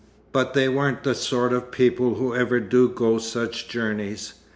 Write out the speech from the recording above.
But they weren't the sort of people who ever do go such journeys.